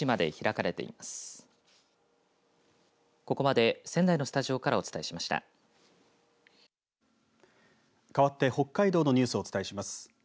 かわって北海道のニュースをお伝えします。